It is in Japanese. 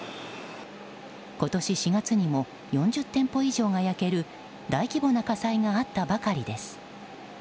今年４月にも４０店舗以上が焼ける大規模な火災があったばかりです。